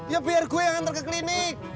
ya biar gue yang ngantar ke klinik